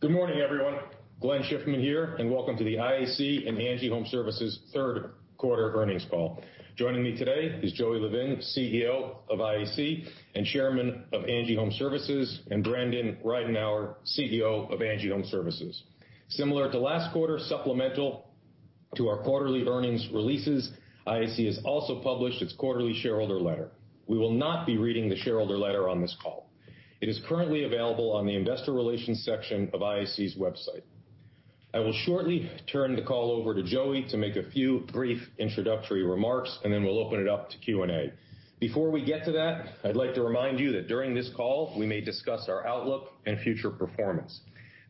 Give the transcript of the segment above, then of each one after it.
Good morning, everyone. Glenn Schiffman here. Welcome to the IAC and ANGI Homeservices third quarter earnings call. Joining me today is Joey Levin, CEO of IAC and chairman of ANGI Homeservices, Brandon Ridenour, CEO of ANGI Homeservices. Similar to last quarter, supplemental to our quarterly earnings releases, IAC has also published its quarterly shareholder letter. We will not be reading the shareholder letter on this call. It is currently available on the investor relations section of IAC's website. I will shortly turn the call over to Joey to make a few brief introductory remarks. Then we'll open it up to Q&A. Before we get to that, I'd like to remind you that during this call, we may discuss our outlook and future performance.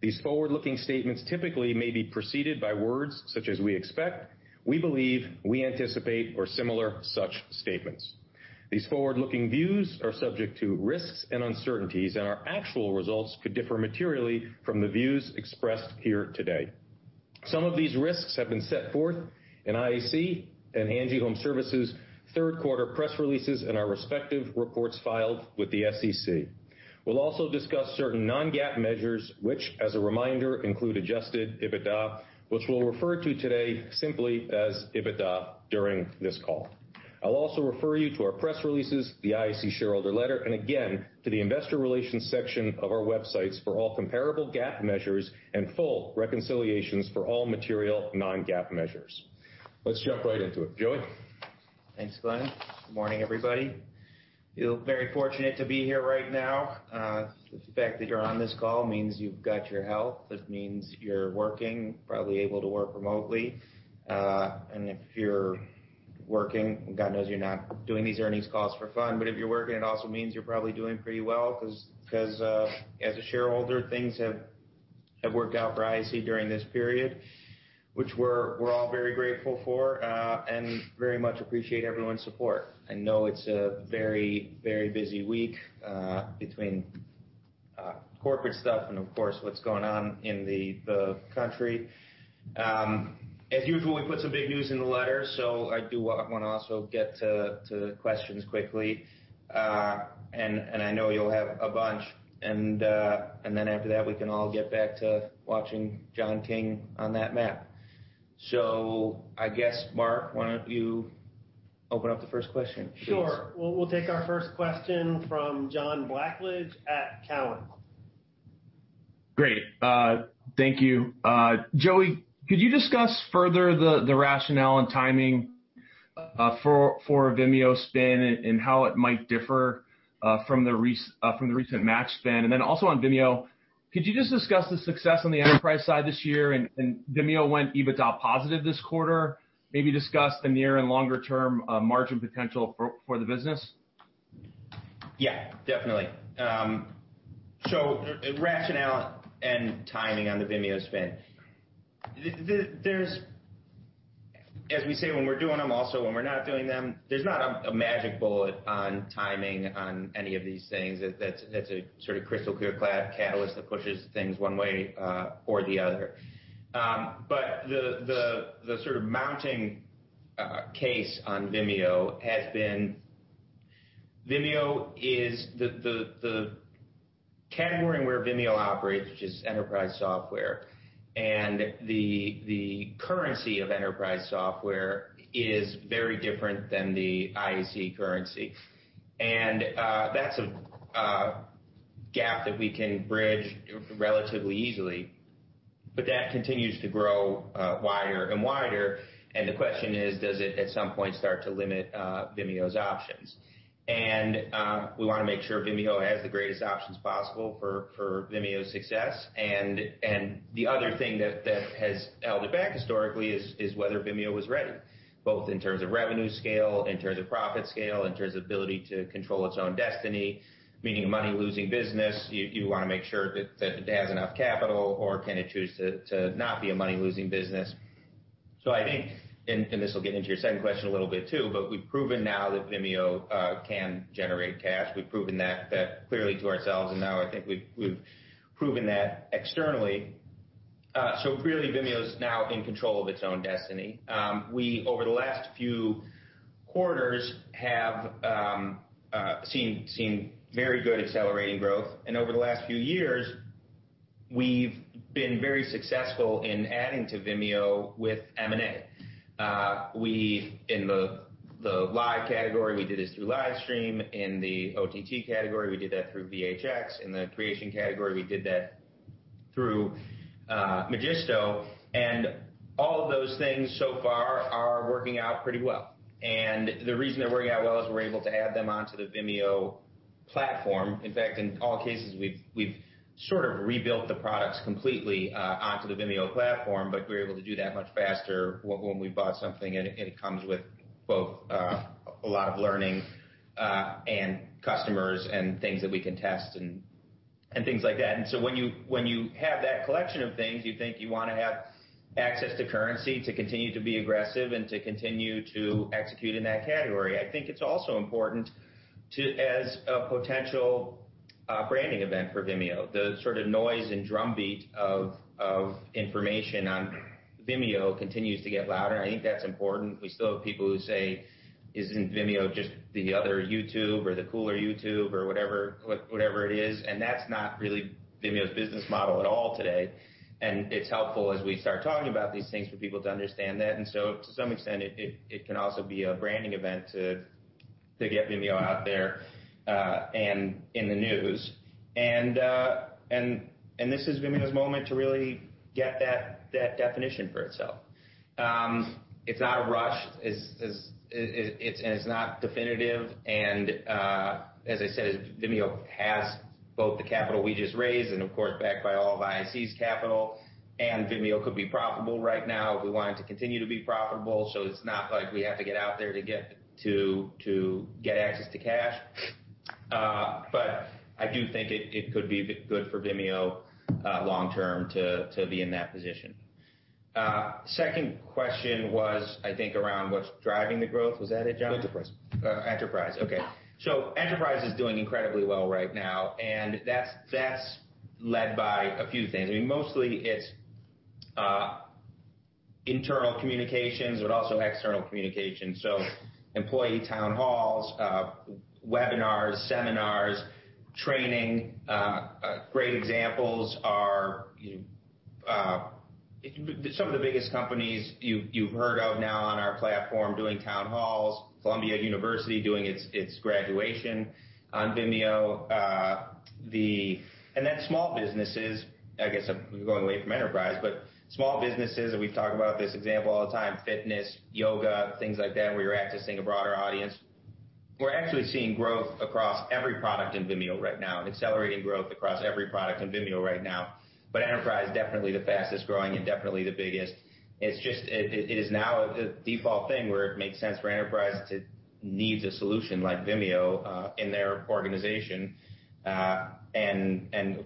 These forward-looking statements typically may be preceded by words such as "we expect," "we believe," "we anticipate," or similar such statements. These forward-looking views are subject to risks and uncertainties, and our actual results could differ materially from the views expressed here today. Some of these risks have been set forth in IAC and ANGI Homeservices' third quarter press releases and our respective reports filed with the SEC. We'll also discuss certain non-GAAP measures, which, as a reminder, include adjusted EBITDA, which we'll refer to today simply as EBITDA during this call. I'll also refer you to our press releases, the IAC shareholder letter, and again, to the investor relations section of our websites for all comparable GAAP measures and full reconciliations for all material non-GAAP measures. Let's jump right into it. Joey? Thanks, Glenn. Good morning, everybody. Feel very fortunate to be here right now. The fact that you're on this call means you've got your health. It means you're working, probably able to work remotely. If you're working, God knows you're not doing these earnings calls for fun, but if you're working, it also means you're probably doing pretty well because, as a shareholder, things have worked out for IAC during this period, which we're all very grateful for, and very much appreciate everyone's support. I know it's a very busy week, between corporate stuff and of course, what's going on in the country. As usual, we put some big news in the letter, I do want to also get to questions quickly. I know you'll have a bunch. After that, we can all get back to watching John King on that map. I guess, Mark, why don't you open up the first question, please? Sure. Well, we'll take our first question from John Blackledge at Cowen. Great. Thank you. Joey, could you discuss further the rationale and timing for the Vimeo spin and how it might differ from the recent Match spin? Also on Vimeo, could you just discuss the success on the enterprise side this year and Vimeo went EBITDA positive this quarter? Maybe discuss the near and longer-term margin potential for the business. Yeah, definitely. Rationale and timing on the Vimeo spin. As we say, when we're doing them, also when we're not doing them, there's not a magic bullet on timing on any of these things that's a sort of crystal clear catalyst that pushes things one way or the other. The mounting case on Vimeo has been the category where Vimeo operates, which is enterprise software, and the currency of enterprise software is very different than the IAC currency. That's a gap that we can bridge relatively easily, but that continues to grow wider and wider. The question is, does it at some point start to limit Vimeo's options? We want to make sure Vimeo has the greatest options possible for Vimeo's success. The other thing that has held it back historically is whether Vimeo was ready, both in terms of revenue scale, in terms of profit scale, in terms of ability to control its own destiny. Meaning a money-losing business, you want to make sure that it has enough capital or can it choose to not be a money-losing business. I think, and this will get into your second question a little bit too, but we've proven now that Vimeo can generate cash. We've proven that clearly to ourselves, and now I think we've proven that externally. Clearly Vimeo's now in control of its own destiny. We, over the last few quarters, have seen very good accelerating growth, and over the last few years we've been very successful in adding to Vimeo with M&A. In the live category, we did it through Livestream. In the OTT category, we did that through VHX. In the creation category, we did that through Magisto. All of those things so far are working out pretty well. The reason they're working out well is we're able to add them onto the Vimeo platform. In fact, in all cases, we've sort of rebuilt the products completely onto the Vimeo platform, but we're able to do that much faster when we've bought something and it comes with both a lot of learning, and customers, and things that we can test, and things like that. When you have that collection of things, you think you want to have access to currency to continue to be aggressive and to continue to execute in that category. I think it's also important as a potential branding event for Vimeo. The sort of noise and drumbeat of information on Vimeo continues to get louder, and I think that's important. We still have people who say, "Isn't Vimeo just the other YouTube or the cooler YouTube?" Whatever it is, that's not really Vimeo's business model at all today. It's helpful as we start talking about these things for people to understand that. To some extent, it can also be a branding event to get Vimeo out there and in the news. This is Vimeo's moment to really get that definition for itself. It's not a rush, and it's not definitive. As I said, Vimeo has both the capital we just raised and of course backed by all of IAC's capital, Vimeo could be profitable right now if we wanted to continue to be profitable. It's not like we have to get out there to get access to cash. I do think it could be good for Vimeo long-term to be in that position. Second question was, I think, around what's driving the growth. Was that it, John? Enterprise. Enterprise. Okay. Enterprise is doing incredibly well right now, and that's led by a few things. Mostly it's internal communications, but also external communications. Employee town halls, webinars, seminars, training. Great examples are some of the biggest companies you've heard of now on our platform doing town halls, Columbia University doing its graduation on Vimeo. Small businesses, I guess I'm going away from Enterprise, but small businesses, and we talk about this example all the time, fitness, yoga, things like that, where you're accessing a broader audience. We're actually seeing growth across every product in Vimeo right now and accelerating growth across every product in Vimeo right now. Enterprise is definitely the fastest-growing and definitely the biggest. It is now a default thing where it makes sense for Enterprise to needs a solution like Vimeo in their organization. Of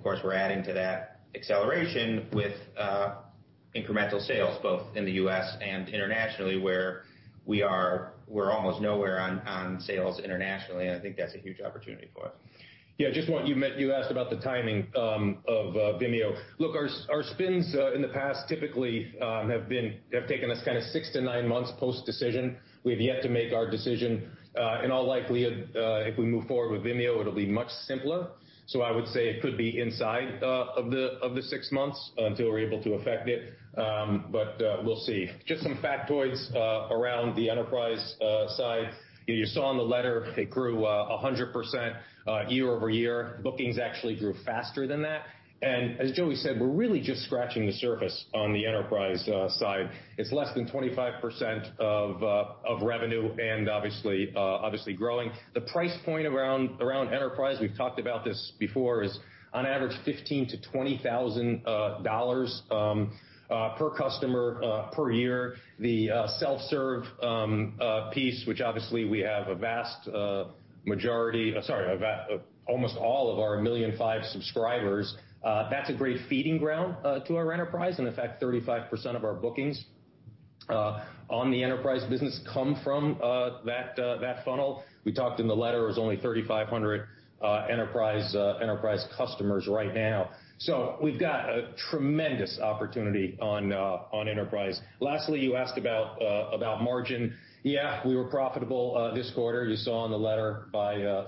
course, we're adding to that acceleration with incremental sales both in the U.S. and internationally, where we're almost nowhere on sales internationally, and I think that's a huge opportunity for us. You asked about the timing of Vimeo. Look, our spins in the past typically have taken us six to nine months post-decision. We have yet to make our decision. In all likelihood if we move forward with Vimeo, it'll be much simpler. I would say it could be inside of the six months until we're able to effect it. We'll see. Just some factoids around the Enterprise side. You saw in the letter it grew 100% year-over-year. Bookings actually grew faster than that. As Joey said, we're really just scratching the surface on the Enterprise side. It's less than 25% of revenue and obviously growing. The price point around Enterprise, we've talked about this before, is on average $15,000-$20,000 per customer per year. The self-serve piece, which obviously we have sorry, almost all of our 1.5 million subscribers. That's a great feeding ground to our Enterprise. In fact, 35% of our bookings on the Enterprise business come from that funnel. We talked in the letter, it was only 3,500 Enterprise customers right now. We've got a tremendous opportunity on Enterprise. Lastly, you asked about margin. Yeah, we were profitable this quarter, you saw in the letter,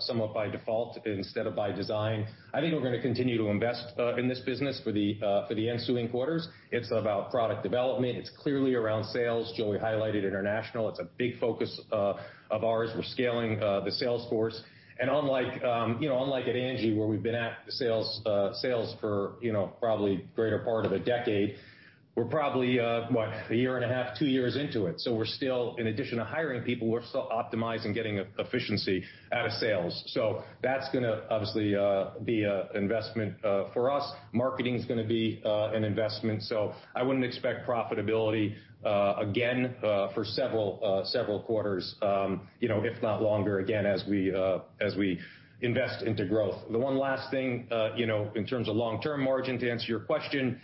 somewhat by default instead of by design. I think we're going to continue to invest in this business for the ensuing quarters. It's about product development. It's clearly around sales. Joey highlighted international. It's a big focus of ours. We're scaling the sales force. Unlike at Angi, where we've been at the sales for probably the greater part of a decade, we're probably, what? A year and a half, two years into it. In addition to hiring people, we're still optimizing getting efficiency out of sales. That's going to obviously be an investment for us. Marketing is going to be an investment, so I wouldn't expect profitability again for several quarters if not longer again, as we invest into growth. The one last thing in terms of long-term margin, to answer your question,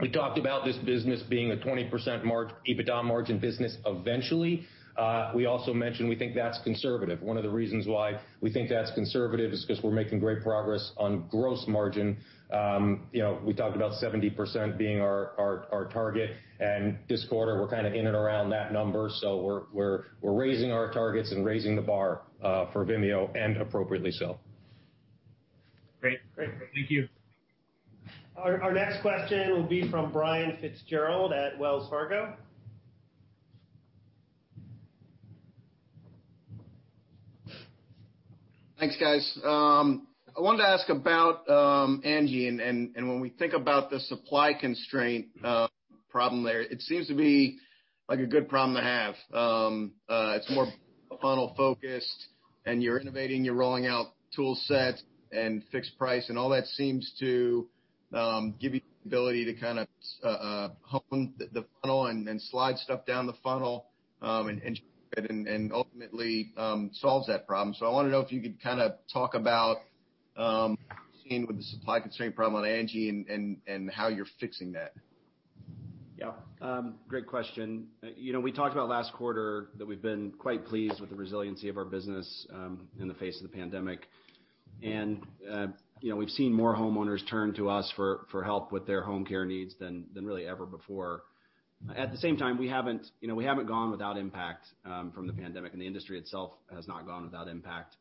we talked about this business being a 20% EBITDA margin business eventually. We also mentioned we think that's conservative. One of the reasons why we think that's conservative is because we're making great progress on gross margin. We talked about 70% being our target, and this quarter, we're in and around that number. We're raising our targets and raising the bar for Vimeo, and appropriately so. Great. Great. Thank you. Our next question will be from Brian Fitzgerald at Wells Fargo. Thanks, guys. I wanted to ask about Angi, and when we think about the supply constraint problem there, it seems to be a good problem to have. It's more funnel-focused, and you're innovating, you're rolling out tool sets and Fixed Price, and all that seems to give you the ability to hone the funnel and slide stuff down the funnel and ultimately solves that problem. I want to know if you could talk about what you're seeing with the supply constraint problem on Angi and how you're fixing that. Yeah. Great question. We talked about last quarter that we've been quite pleased with the resiliency of our business in the face of the pandemic. We've seen more homeowners turn to us for help with their home care needs than really ever before. At the same time, we haven't gone without impact from the pandemic, and the industry itself has not gone without impact.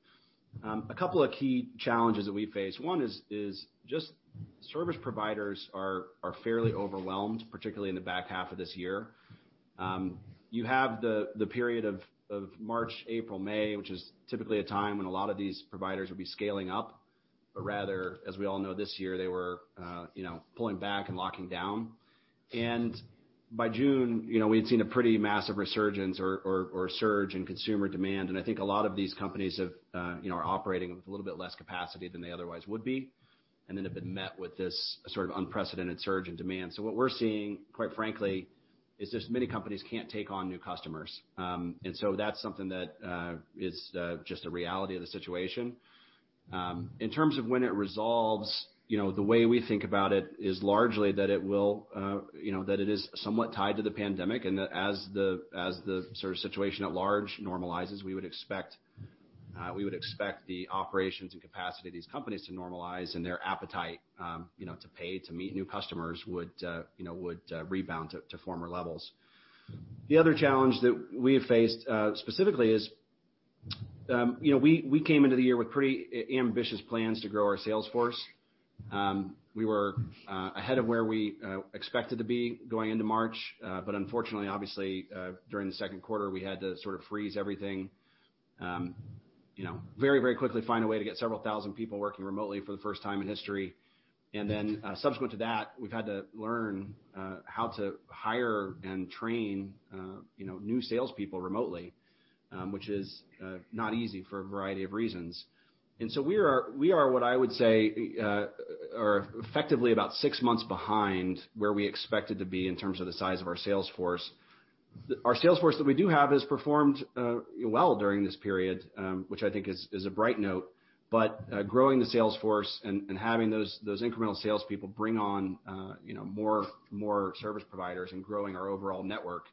A couple of key challenges that we face. One is just service providers are fairly overwhelmed, particularly in the back half of this year. You have the period of March, April, May, which is typically a time when a lot of these providers would be scaling up. Rather, as we all know, this year, they were pulling back and locking down. By June, we had seen a pretty massive resurgence or surge in consumer demand, and I think a lot of these companies are operating with a little bit less capacity than they otherwise would be, and then have been met with this sort of unprecedented surge in demand. What we're seeing, quite frankly, is just many companies can't take on new customers. That's something that is just a reality of the situation. In terms of when it resolves, the way we think about it is largely that it is somewhat tied to the pandemic, and that as the sort of situation at large normalizes, we would expect the operations and capacity of these companies to normalize and their appetite to pay to meet new customers would rebound to former levels. The other challenge that we have faced, specifically, is we came into the year with pretty ambitious plans to grow our sales force. We were ahead of where we expected to be going into March. Unfortunately, obviously, during the second quarter, we had to sort of freeze everything. Very quickly find a way to get several thousand people working remotely for the first time in history, and then subsequent to that, we've had to learn how to hire and train new salespeople remotely, which is not easy for a variety of reasons. We are what I would say are effectively about six months behind where we expected to be in terms of the size of our sales force. Our sales force that we do have has performed well during this period, which I think is a bright note, growing the sales force and having those incremental salespeople bring on more service providers and growing our overall network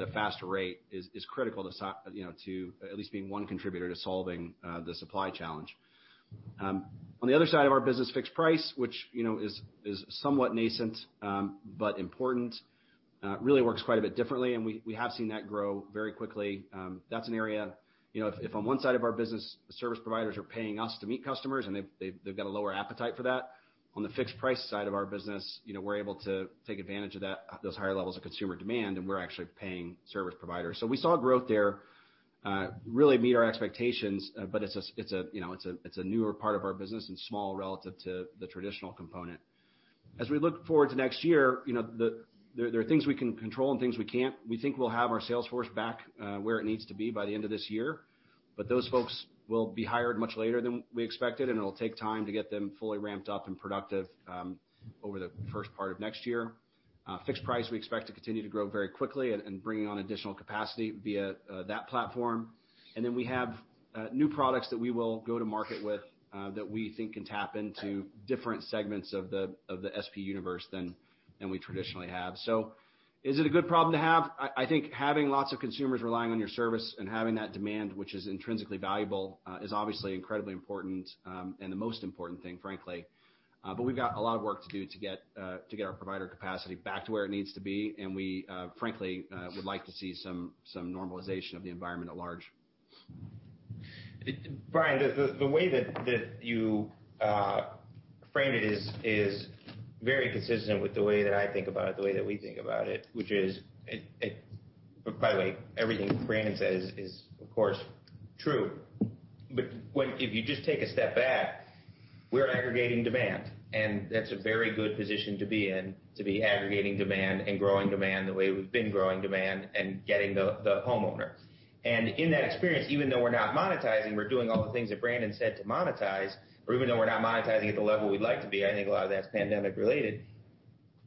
at a faster rate is critical to at least being one contributor to solving the supply challenge. On the other side of our business, Fixed Price, which is somewhat nascent, important, really works quite a bit differently. We have seen that grow very quickly. That's an area, if on one side of our business, service providers are paying us to meet customers, they've got a lower appetite for that. On the Fixed Price side of our business, we're able to take advantage of those higher levels of consumer demand, we're actually paying service providers. We saw growth there really meet our expectations, but it's a newer part of our business and small relative to the traditional component. As we look forward to next year, there are things we can control and things we can't. We think we'll have our sales force back where it needs to be by the end of this year, but those folks will be hired much later than we expected, and it'll take time to get them fully ramped up and productive over the first part of next year. Fixed Price, we expect to continue to grow very quickly and bring on additional capacity via that platform. Then we have new products that we will go to market with that we think can tap into different segments of the SP universe than we traditionally have. Is it a good problem to have? I think having lots of consumers relying on your service and having that demand, which is intrinsically valuable, is obviously incredibly important, and the most important thing, frankly. We've got a lot of work to do to get our provider capacity back to where it needs to be, and we frankly would like to see some normalization of the environment at large. Brian, the way that you framed it is very consistent with the way that I think about it, the way that we think about it. Everything Brandon says is, of course, true. If you just take a step back, we're aggregating demand, and that's a very good position to be in, to be aggregating demand and growing demand the way we've been growing demand and getting the homeowner. In that experience, even though we're not monetizing, we're doing all the things that Brandon said to monetize, or even though we're not monetizing at the level we'd like to be, I think a lot of that's pandemic-related.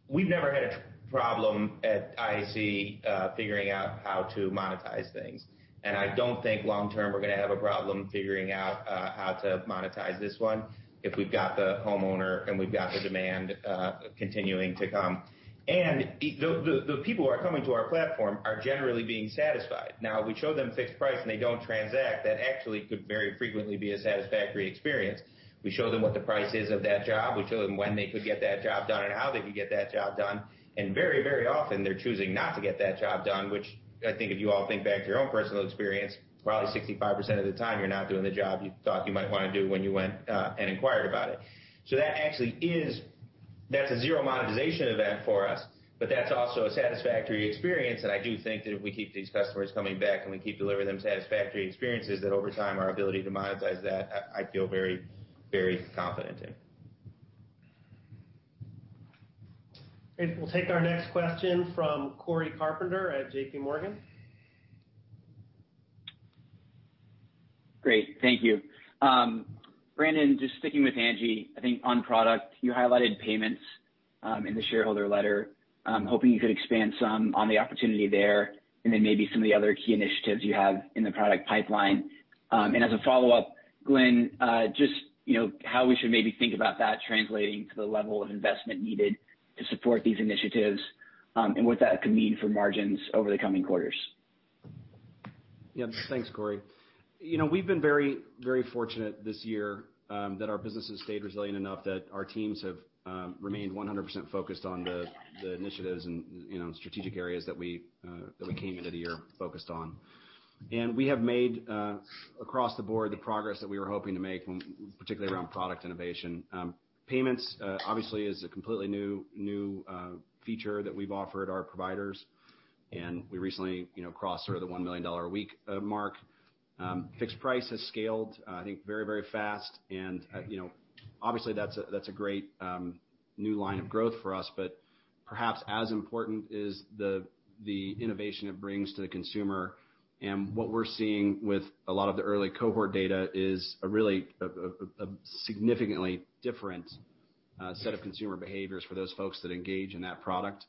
We've never had a problem at IAC figuring out how to monetize things. I don't think long-term, we're going to have a problem figuring out how to monetize this one if we've got the homeowner and we've got the demand continuing to come. The people who are coming to our platform are generally being satisfied. Now, we show them Fixed Price and they don't transact, that actually could very frequently be a satisfactory experience. We show them what the price is of that job, we show them when they could get that job done and how they could get that job done, and very often they're choosing not to get that job done, which I think if you all think back to your own personal experience, probably 65% of the time you're not doing the job you thought you might want to do when you went and inquired about it. That's a zero monetization event for us, but that's also a satisfactory experience, and I do think that if we keep these customers coming back and we keep delivering them satisfactory experiences, that over time, our ability to monetize that, I feel very confident in. Great. We'll take our next question from Cory Carpenter at JPMorgan. Great. Thank you. Brandon, just sticking with Angi, I think on product, you highlighted payments in the shareholder letter. I'm hoping you could expand some on the opportunity there and then maybe some of the other key initiatives you have in the product pipeline. As a follow-up, Glenn, just how we should maybe think about that translating to the level of investment needed to support these initiatives, and what that could mean for margins over the coming quarters. Yeah. Thanks, Cory. We've been very fortunate this year that our business has stayed resilient enough that our teams have remained 100% focused on the initiatives and strategic areas that we came into the year focused on. We have made, across the board, the progress that we were hoping to make, particularly around product innovation. Payments, obviously, is a completely new feature that we've offered our providers, and we recently crossed the $1 million a week mark. Fixed Price has scaled, I think, very fast, and obviously that's a great new line of growth for us, but perhaps as important is the innovation it brings to the consumer. What we're seeing with a lot of the early cohort data is a really, significantly different set of consumer behaviors for those folks that engage in that product.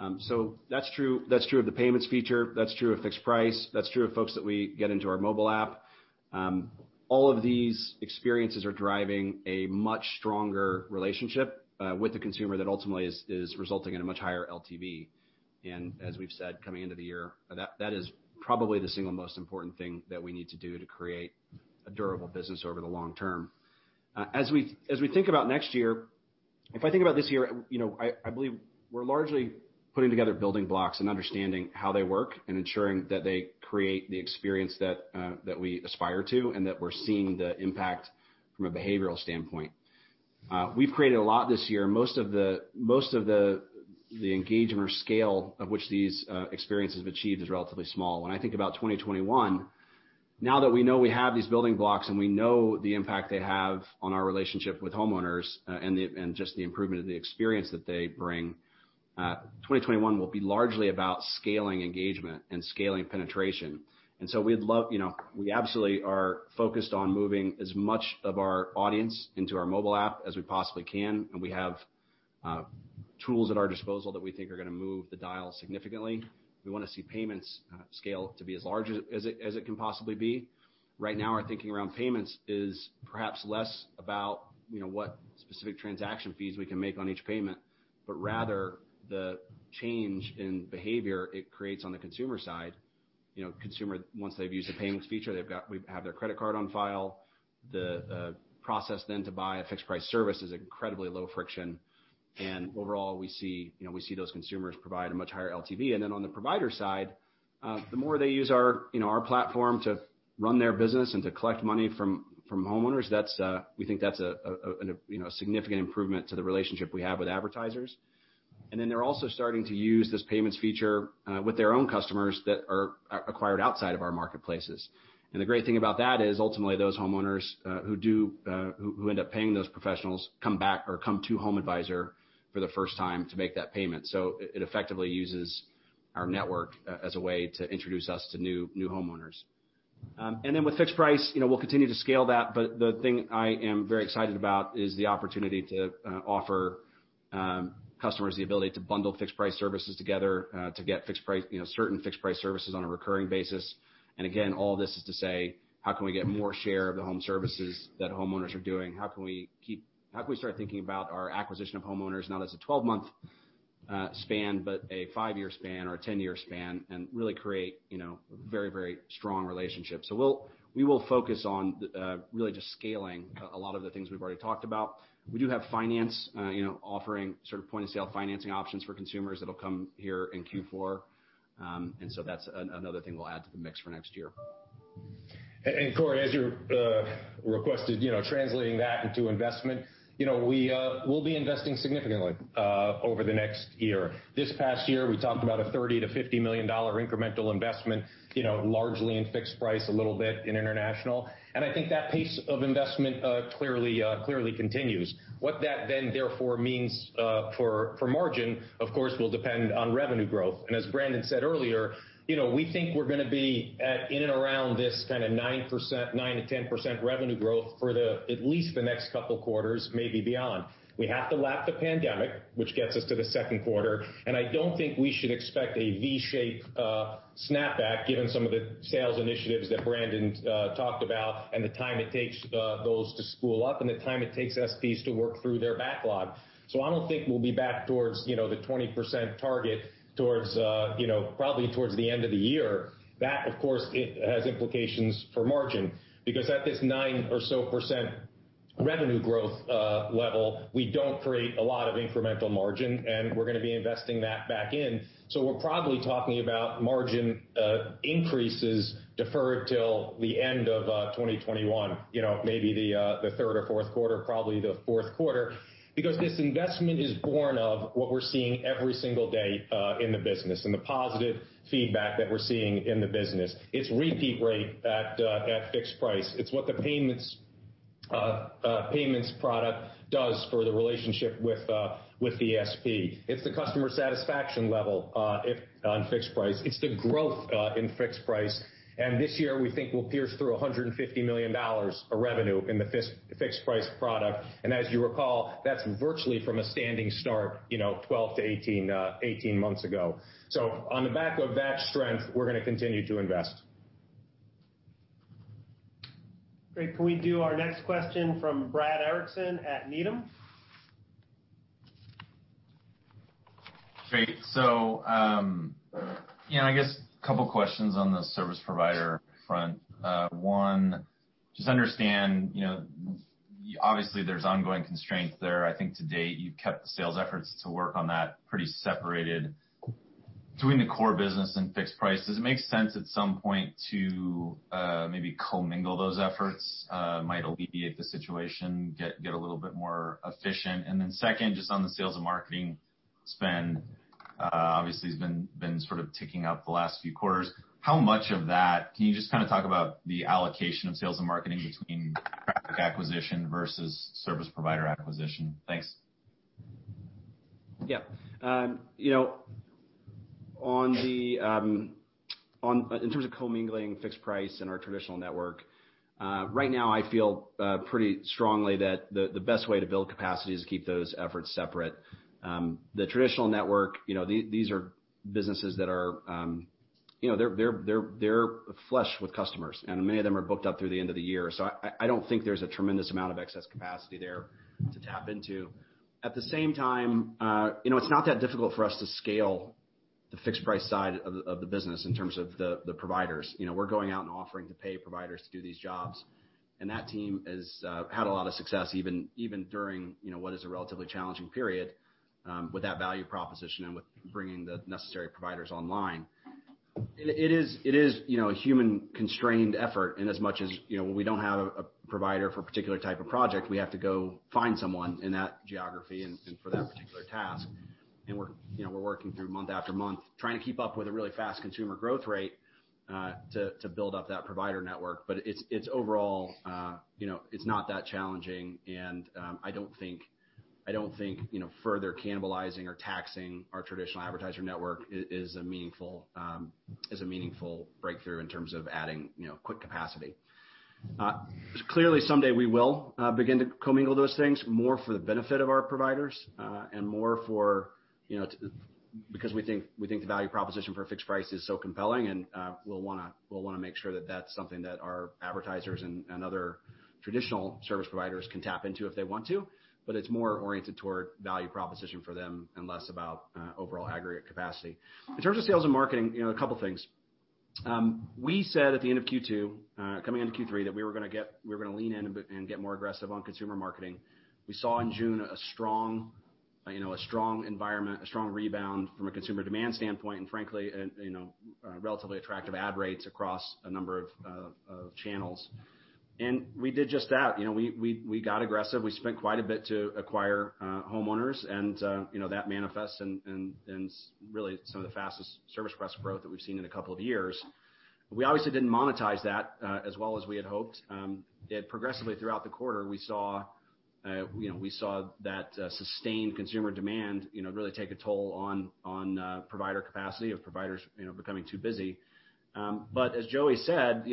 That's true of the payments feature, that's true of Fixed Price, that's true of folks that we get into our mobile app. All of these experiences are driving a much stronger relationship with the consumer that ultimately is resulting in a much higher LTV. As we've said, coming into the year, that is probably the single most important thing that we need to do to create a durable business over the long-term. As we think about next year, if I think about this year, I believe we're largely putting together building blocks and understanding how they work and ensuring that they create the experience that we aspire to, and that we're seeing the impact from a behavioral standpoint. We've created a lot this year. Most of the engagement or scale of which these experiences have achieved is relatively small. When I think about 2021, now that we know we have these building blocks and we know the impact they have on our relationship with homeowners, and just the improvement of the experience that they bring, 2021 will be largely about scaling engagement and scaling penetration. We absolutely are focused on moving as much of our audience into our mobile app as we possibly can, and we have tools at our disposal that we think are going to move the dial significantly. We want to see payments scale to be as large as it can possibly be. Right now, our thinking around payments is perhaps less about what specific transaction fees we can make on each payment, but rather the change in behavior it creates on the consumer side. Consumer, once they've used the payments feature, we have their credit card on file. The process to buy a Fixed Price service is incredibly low friction, overall, we see those consumers provide a much higher LTV. On the provider side, the more they use our platform to run their business and to collect money from homeowners, we think that's a significant improvement to the relationship we have with advertisers. They're also starting to use this payments feature with their own customers that are acquired outside of our marketplaces. The great thing about that is ultimately those homeowners who end up paying those professionals come back or come to HomeAdvisor for the first time to make that payment. It effectively uses our network as a way to introduce us to new homeowners. Then with Fixed Price, we'll continue to scale that, but the thing I am very excited about is the opportunity to offer customers the ability to bundle Fixed Price services together to get certain Fixed Price services on a recurring basis. Again, all this is to say, how can we get more share of the home services that homeowners are doing? How can we start thinking about our acquisition of homeowners, not as a 12-month span, but a five-year span or a 10-year span, and really create very strong relationships? We will focus on really just scaling a lot of the things we've already talked about. We do have finance offering point-of-sale financing options for consumers that'll come here in Q4. That's another thing we'll add to the mix for next year. Cory, as you requested, translating that into investment. We'll be investing significantly over the next year. This past year, we talked about a $30 million-$50 million incremental investment, largely in Fixed Price, a little bit in international. I think that pace of investment clearly continues. What that then therefore means for margin, of course, will depend on revenue growth. As Brandon said earlier, we think we're going to be at in and around this kind of 9%-10% revenue growth for at least the next couple of quarters, maybe beyond. We have to lap the pandemic, which gets us to the second quarter, I don't think we should expect a V-shape snapback given some of the sales initiatives that Brandon talked about and the time it takes those to spool up, and the time it takes SPs to work through their backlog. I don't think we'll be back towards the 20% target probably towards the end of the year. That, of course, has implications for margin, because at this 9% or so revenue growth level, we don't create a lot of incremental margin, and we're going to be investing that back in. We're probably talking about margin increases deferred till the end of 2021, maybe the third or fourth quarter, probably the fourth quarter. This investment is born of what we're seeing every single day in the business and the positive feedback that we're seeing in the business. It's repeat rate at Fixed Price. It's what the payments product does for the relationship with the SP. It's the customer satisfaction level on Fixed Price. It's the growth in Fixed Price. This year, we think we'll pierce through $150 million of revenue in the Fixed Price product. As you recall, that's virtually from a standing start 12-18 months ago. On the back of that strength, we're going to continue to invest. Great. Can we do our next question from Brad Erickson at Needham. Great. I guess a couple of questions on the service provider front. One, just understand, obviously there's ongoing constraint there. I think to date you've kept the sales efforts to work on that pretty separated between the core business and Fixed Price. Does it make sense at some point to maybe commingle those efforts? Might alleviate the situation, get a little bit more efficient. Second, just on the sales and marketing spend, obviously it's been sort of ticking up the last few quarters. Can you just talk about the allocation of sales and marketing between acquisition versus service provider acquisition? Thanks. Yeah. In terms of commingling Fixed Price and our traditional network, right now I feel pretty strongly that the best way to build capacity is to keep those efforts separate. The traditional network, these are businesses that are flush with customers, and many of them are booked up through the end of the year. I don't think there's a tremendous amount of excess capacity there to tap into. At the same time, it's not that difficult for us to scale the Fixed Price side of the business in terms of the providers. We're going out and offering to pay providers to do these jobs. That team has had a lot of success, even during what is a relatively challenging period, with that value proposition and with bringing the necessary providers online. It is a human-constrained effort in as much as when we don't have a provider for a particular type of project, we have to go find someone in that geography and for that particular task. We're working through month after month, trying to keep up with a really fast consumer growth rate to build up that provider network. It's overall not that challenging, and I don't think further cannibalizing or taxing our traditional advertiser network is a meaningful breakthrough in terms of adding quick capacity. Clearly, someday we will begin to commingle those things more for the benefit of our providers, and more because we think the value proposition for a Fixed Price is so compelling, and we'll want to make sure that that's something that our advertisers and other traditional service providers can tap into if they want to. It's more oriented toward value proposition for them and less about overall aggregate capacity. In terms of sales and marketing, a couple of things. We said at the end of Q2, coming into Q3, that we were going to lean in and get more aggressive on consumer marketing. We saw in June a strong environment, a strong rebound from a consumer demand standpoint, and frankly, relatively attractive ad rates across a number of channels. We did just that. We got aggressive. We spent quite a bit to acquire homeowners, and that manifests in really some of the fastest service requests growth that we've seen in a couple of years. We obviously didn't monetize that as well as we had hoped. Progressively throughout the quarter, we saw that sustained consumer demand really take a toll on provider capacity, of providers becoming too busy. As Joey said,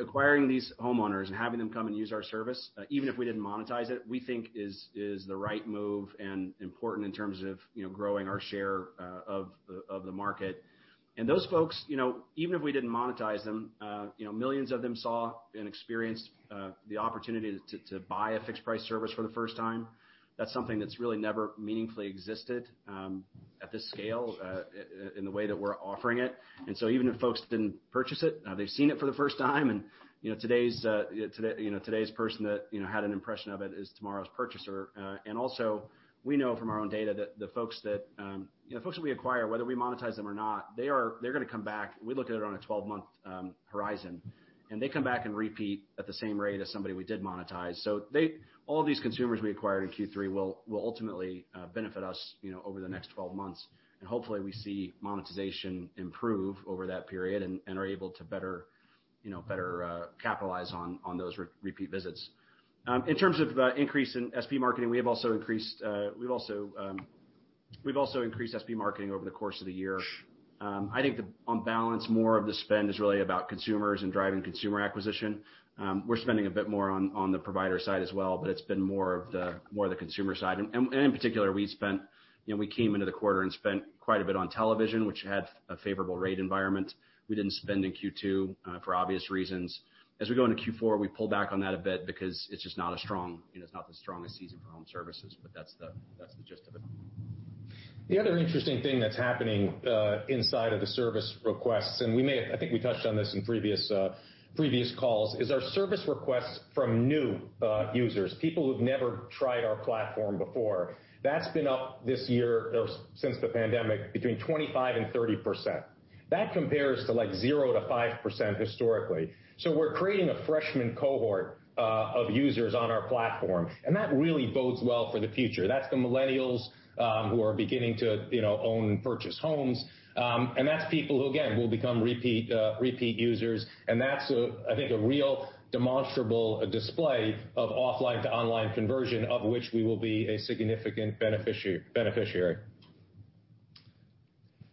acquiring these homeowners and having them come and use our service, even if we didn't monetize it, we think is the right move and important in terms of growing our share of the market. Those folks, even if we didn't monetize them, millions of them saw and experienced the opportunity to buy a Fixed Price service for the first time. That's something that's really never meaningfully existed at this scale in the way that we're offering it. Even if folks didn't purchase it, they've seen it for the first time, and today's person that had an impression of it is tomorrow's purchaser. Also, we know from our own data that the folks that we acquire, whether we monetize them or not, they're going to come back. We look at it on a 12-month horizon, and they come back and repeat at the same rate as somebody we did monetize. All of these consumers we acquired in Q3 will ultimately benefit us over the next 12 months. Hopefully we see monetization improve over that period and are able to better capitalize on those repeat visits. In terms of increase in SP marketing, we have also increased SP marketing over the course of the year. I think on balance, more of the spend is really about consumers and driving consumer acquisition. We're spending a bit more on the provider side as well, but it's been more of the consumer side. In particular, we came into the quarter and spent quite a bit on television, which had a favorable rate environment. We didn't spend in Q2 for obvious reasons. As we go into Q4, we pull back on that a bit because it's just not the strongest season for home services, but that's the gist of it. The other interesting thing that's happening inside of the service requests, and I think we touched on this in previous calls, is our service requests from new users, people who've never tried our platform before. That's been up this year or since the pandemic between 25%-30%. That compares to 0%-5% historically. We're creating a freshman cohort of users on our platform, and that really bodes well for the future. That's the millennials who are beginning to own and purchase homes. That's people who, again, will become repeat users. That's, I think, a real demonstrable display of offline to online conversion of which we will be a significant beneficiary.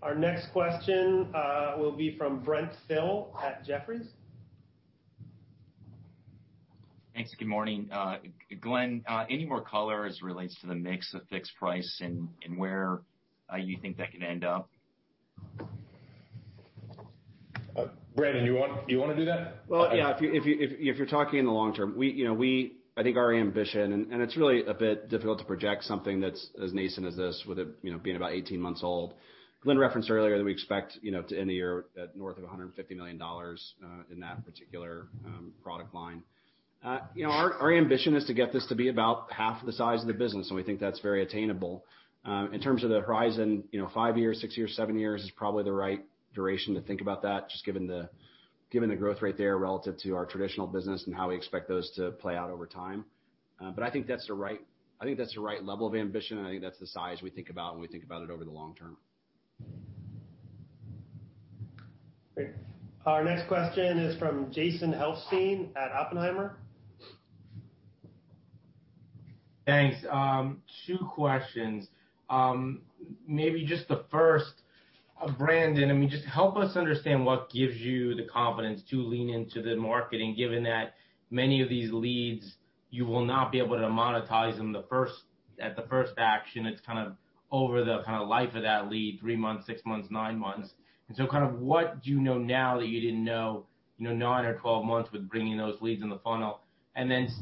Our next question will be from Brent Thill at Jefferies. Thanks. Good morning. Glenn, any more color as it relates to the mix of Fixed Price and where you think that can end up? Brandon, you want to do that? Well, yeah. If you're talking in the long-term, I think our ambition, and it's really a bit difficult to project something that's as nascent as this with it being about 18 months old. Glenn referenced earlier that we expect to end the year at north of $150 million in that particular product line. Our ambition is to get this to be about half the size of the business, and we think that's very attainable. In terms of the horizon, five years, six years, seven years is probably the right duration to think about that, just given the growth rate there relative to our traditional business and how we expect those to play out over time. But I think that's the right level of ambition, and I think that's the size we think about when we think about it over the long-term. Great. Our next question is from Jason Helfstein at Oppenheimer. Thanks. Two questions. Maybe just the first, Brandon, just help us understand what gives you the confidence to lean into the marketing, given that many of these leads you will not be able to monetize them at the first action. It's over the life of that lead, three months, six months, nine months. What do you know now that you didn't know nine or 12 months with bringing those leads in the funnel?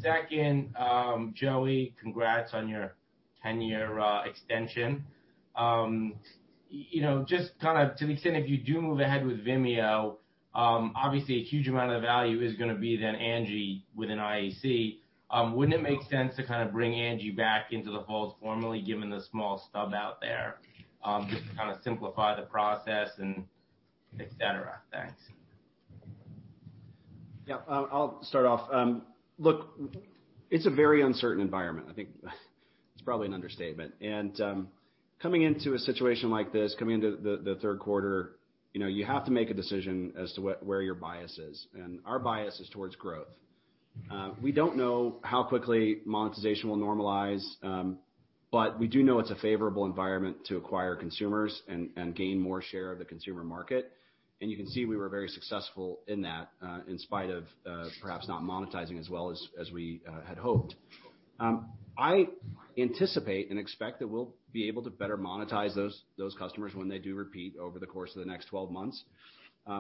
Second, Joey, congrats on your 10-year extension. Just to the extent if you do move ahead with Vimeo, obviously a huge amount of the value is going to be then Angi within IAC. Wouldn't it make sense to bring Angi back into the fold formally, given the small stub out there, just to simplify the process and et cetera? Thanks. Yeah. I'll start off. Look, it's a very uncertain environment. I think it's probably an understatement. Coming into a situation like this, coming into the third quarter, you have to make a decision as to where your bias is, and our bias is towards growth. We don't know how quickly monetization will normalize, but we do know it's a favorable environment to acquire consumers and gain more share of the consumer market. You can see we were very successful in that, in spite of perhaps not monetizing as well as we had hoped. I anticipate and expect that we'll be able to better monetize those customers when they do repeat over the course of the next 12 months.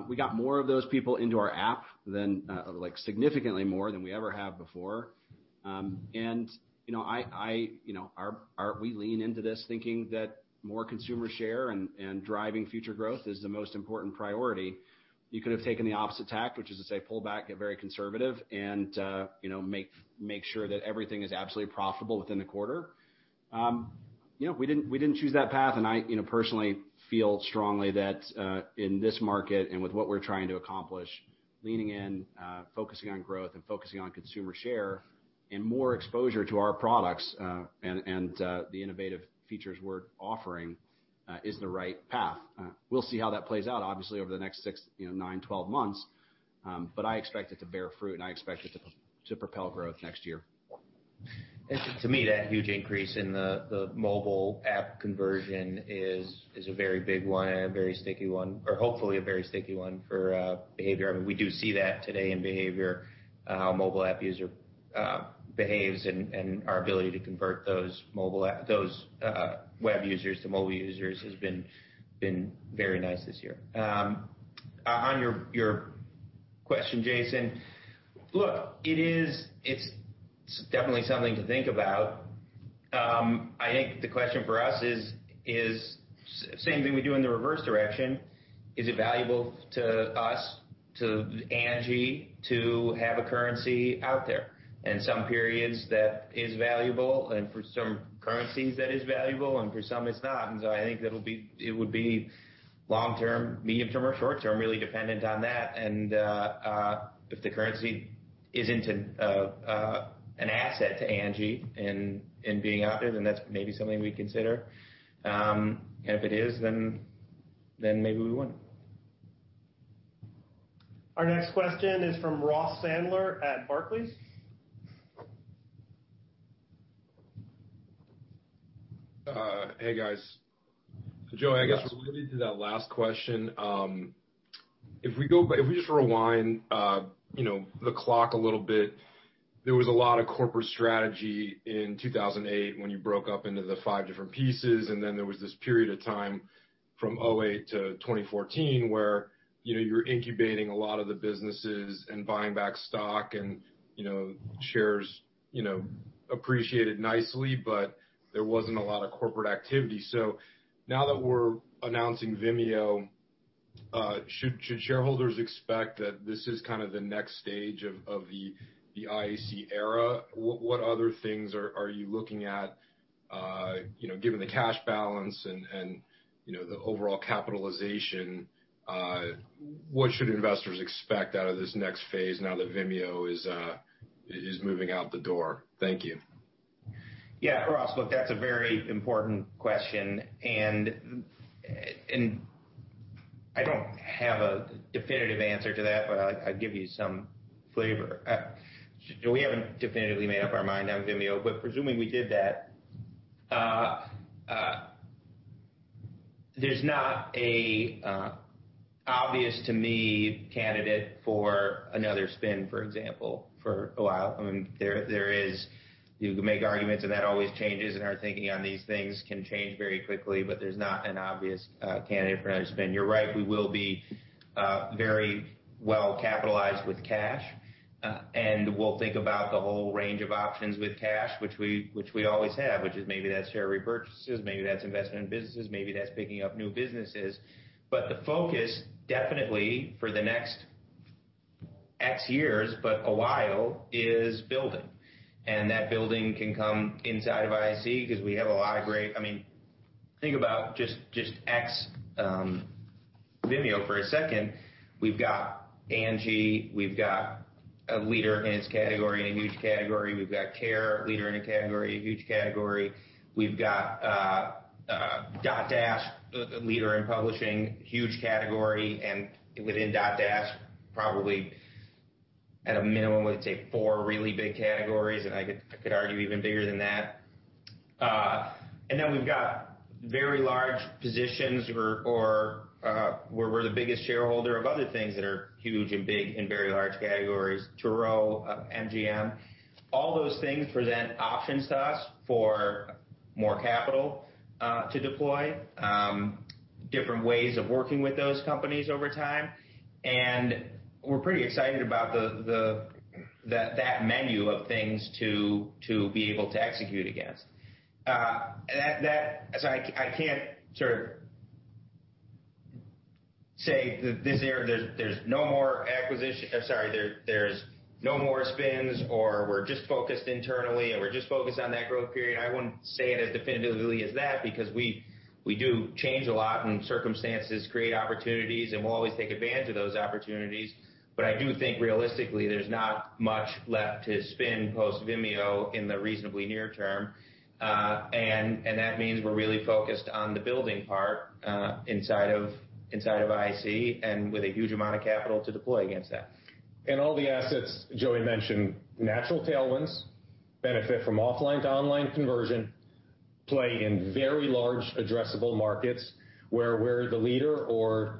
We got more of those people into our app, significantly more than we ever have before. We lean into this thinking that more consumer share and driving future growth is the most important priority. You could have taken the opposite tack, which is to say pull back, get very conservative, and make sure that everything is absolutely profitable within the quarter. We didn't choose that path, I personally feel strongly that in this market, and with what we're trying to accomplish, leaning in, focusing on growth and focusing on consumer share, and more exposure to our products, and the innovative features we're offering, is the right path. We'll see how that plays out, obviously, over the next six, nine, 12 months. I expect it to bear fruit, and I expect it to propel growth next year. To me, that huge increase in the mobile app conversion is a very big one and a very sticky one, or hopefully a very sticky one for behavior. I mean, we do see that today in behavior, how a mobile app user behaves, and our ability to convert those web users to mobile users has been very nice this year. On your question, Jason, look, it's definitely something to think about. I think the question for us is, same thing we do in the reverse direction. Is it valuable to us, to Angi, to have a currency out there? In some periods that is valuable, and for some currencies that is valuable, and for some it's not. I think it would be long-term, medium term, or short term, really dependent on that. If the currency isn't an asset to Angi in being out there, then that's maybe something we'd consider. If it is, then maybe we wouldn't. Our next question is from Ross Sandler at Barclays. Hey, guys. Joey, I guess related to that last question, if we just rewind the clock a little bit, there was a lot of corporate strategy in 2008 when you broke up into the five different pieces, and then there was this period of time from 2008-2014 where you're incubating a lot of the businesses and buying back stock and shares appreciated nicely, but there wasn't a lot of corporate activity. Now that we're announcing Vimeo, should shareholders expect that this is the next stage of the IAC era? What other things are you looking at? Given the cash balance and the overall capitalization, what should investors expect out of this next phase now that Vimeo is moving out the door? Thank you. Yeah, Ross. Look, that's a very important question. I don't have a definitive answer to that, but I'll give you some flavor. We haven't definitively made up our mind on Vimeo. There's not an obvious to me candidate for another spin, for example, for a while. You can make arguments, and that always changes, and our thinking on these things can change very quickly, but there's not an obvious candidate for another spin. You're right, we will be very well capitalized with cash. We'll think about the whole range of options with cash, which we always have, which is maybe that's share repurchases, maybe that's investment in businesses, maybe that's picking up new businesses. The focus definitely for the next X years, but a while, is building. That building can come inside of IAC because we have a lot of great Think about just X Vimeo for a second. We've got Angi. We've got a leader in its category in a huge category. We've got Care, leader in a category, a huge category. We've got Dotdash, a leader in publishing, huge category, and within Dotdash, probably at a minimum, let's say four really big categories, and I could argue even bigger than that. Then we've got very large positions where we're the biggest shareholder of other things that are huge and big in very large categories, Turo, MGM. All those things present options to us for more capital to deploy, different ways of working with those companies over time, and we're pretty excited about that menu of things to be able to execute against. So I can't sort of say, "There's no more spins," or, "We're just focused internally," or, "We're just focused on that growth period." I wouldn't say it as definitively as that because we do change a lot, and circumstances create opportunities, and we'll always take advantage of those opportunities. I do think realistically, there's not much left to spin post Vimeo in the reasonably near term. That means we're really focused on the building part inside of IAC and with a huge amount of capital to deploy against that. All the assets Joey mentioned, natural tailwinds, benefit from offline to online conversion, play in very large addressable markets where we're the leader or